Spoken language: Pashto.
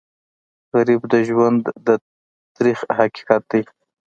غریب د ژوند تریخ حقیقت دی